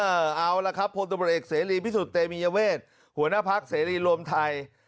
เอาล่ะครับพลตำรวจเอกเสรีพิสุทธิ์เตมียเวทหัวหน้าพักเสรีรวมไทย